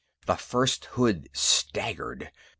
The first hood staggered.